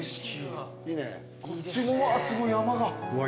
こっちもうわすごい山が。